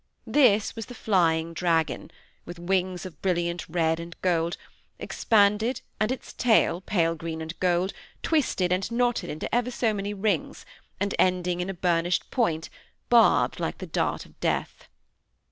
This was the Flying Dragon, with wings of brilliant red and gold, expanded, and its tail, pale green and gold, twisted and knotted into ever so many rings, and ending in a burnished point barbed like the dart of death.